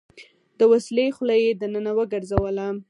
د وسلې خوله يې دننه وګرځوله.